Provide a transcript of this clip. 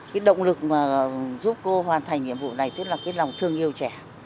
cái động lực mà giúp cô hoàn thành nhiệm vụ này tức là cái lòng thương yêu trẻ